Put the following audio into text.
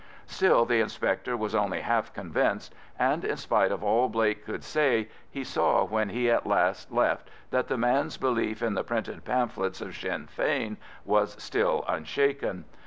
Still the inspector was only half convinced, and in spite of all Blake could say he saw when he at last left that the man's belief in the printed pamphlets of Sinn Fein was still unshaken.